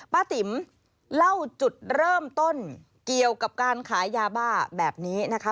ติ๋มเล่าจุดเริ่มต้นเกี่ยวกับการขายยาบ้าแบบนี้นะคะ